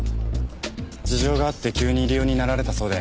事情があって急に入り用になられたそうで。